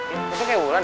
ini tuh kewuran